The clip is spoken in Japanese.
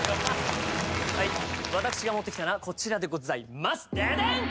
はい私が持ってきたのはこちらでございますデデン！